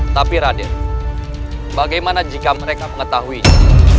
tapi raden bagaimana jika mereka mengetahuinya